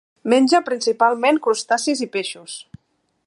Menja principalment crustacis i peixos.